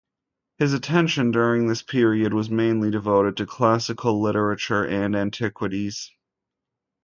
His attention during this period was mainly devoted to classical literature and antiquities.